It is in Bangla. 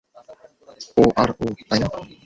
ও আর ও, তাই না?